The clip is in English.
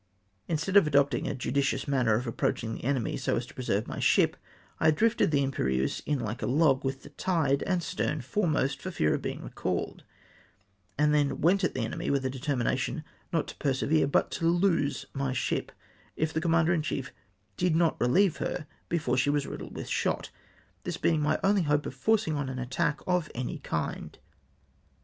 Instead of adopting " ajudicious manner of approaching the enemy, so as to preserve my ship," I drifted the Imperieuse in hke a log with the tide, and stern foremost, for fear of being recalled, and then went at the enemy Avith a deter mination, not to preserve, but to lose my ship, if the commander in chief did not relieve her before she was riddled with shot ; this being my only hope of forcing on an attack of any kind.